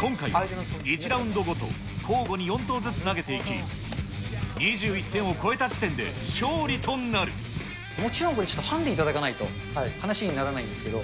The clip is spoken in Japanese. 今回は、１ラウンドごと交互に４投ずつ投げていき、もちろんこれ、ちょっとハンデ頂かないと話にならないんですけど。